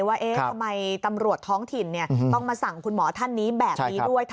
ว่าทำไมตำรวจท้องถิ่นต้องมาสั่งคุณหมอท่านนี้แบบนี้ด้วย